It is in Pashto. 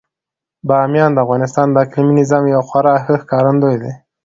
بامیان د افغانستان د اقلیمي نظام یو خورا ښه ښکارندوی دی.